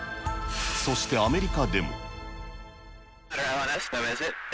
そしてアメリカでも。